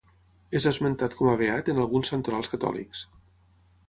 És esmentat com a beat en alguns santorals catòlics.